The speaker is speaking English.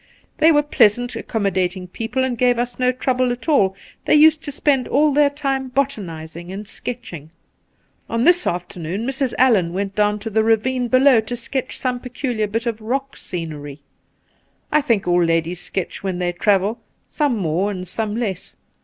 They were pleasant, accommodating people, and gave us no trouble at all ; they used to spend all their time botanizing and sketching. On this after noon Mrs. Allan went down to the ravine below to sketch some peculiar bit of rock scenery. I think all ladies sketch when they travel, some more and some less.